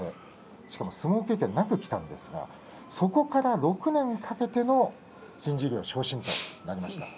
しかも相撲経験なくきたんですがそこから６年かけての新十両昇進となりました。